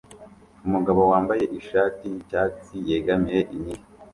Umugabo wambaye ishati yicyatsi yegamiye inkingi